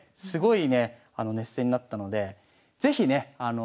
すごいね熱戦になったので是非ね